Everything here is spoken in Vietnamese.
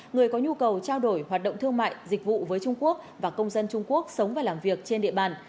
người có nhu cầu trao đổi hoạt động thương mại dịch vụ với trung quốc và công dân trung quốc sống và làm việc trên địa bàn